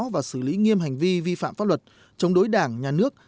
và xử lý nghiêm hành vi vi phạm pháp luật chống đối đảng nhà nước